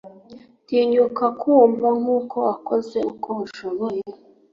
tinyuka kumva nkuko wakoze uko ushoboye